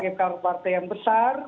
kita sebagai partai yang besar